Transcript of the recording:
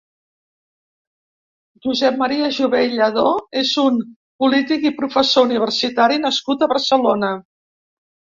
Josep Maria Jové i Lladó és un polític i professor universitari nascut a Barcelona.